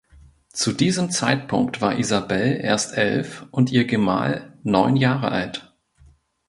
Zu diesem Zeitpunkt war Isabelle erst elf und ihr Gemahl neun Jahre alt.